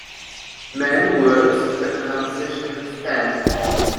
Man works a concession stand